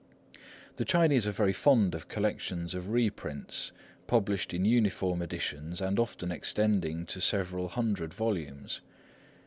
The Chinese are very fond of collections of reprints, published in uniform editions and often extending to several hundred volumes.